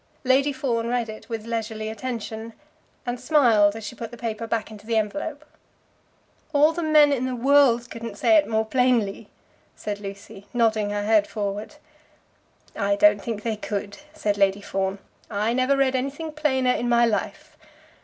Lady Fawn read it with leisurely attention, and smiled as she put the paper back into the envelope. "All the men in the world couldn't say it more plainly," said Lucy, nodding her head forward. "I don't think they could," said Lady Fawn. "I never read anything plainer in my life.